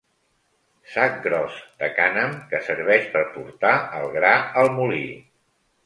Sac gros de cànem que serveix per portar el gra al molí.